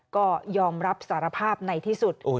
ก็ยอมรับสารภาพในที่สุด